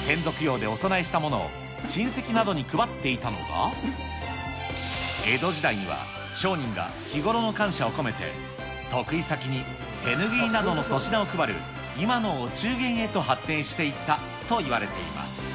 先祖供養でお供えしたものを親戚などに配っていたのが、江戸時代には商人が日頃の感謝を込めて、得意先に手拭いなどの粗品を配る今のお中元へと発展していったといわれています。